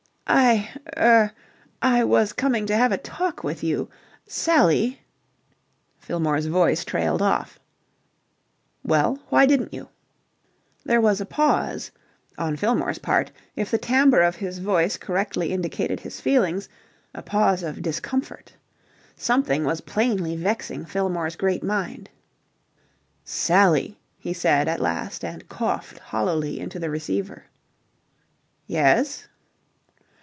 "I er I was coming to have a talk with you. Sally..." Fillmore's voice trailed off. "Well, why didn't you?" There was a pause on Fillmore's part, if the timbre of at his voice correctly indicated his feelings, a pause of discomfort. Something was plainly vexing Fillmore's great mind. "Sally," he said at last, and coughed hollowly into the receiver. "Yes."